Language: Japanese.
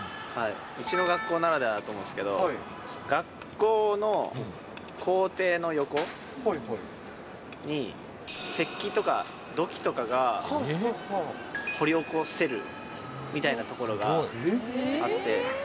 うちの学校ならではだと思うんですけど、学校の校庭の横に、石器とか土器とかが掘り起こせるみたいな所があって。